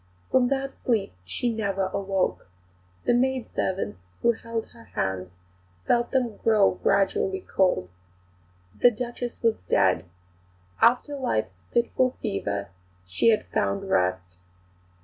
From that sleep she never awoke. The maidservants who held her hands felt them grow gradually cold. The Duchess was dead. After life's fitful fever, she had found rest.